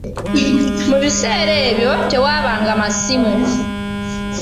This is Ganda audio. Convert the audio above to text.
Mu bissera ebyo tewabanga masimu.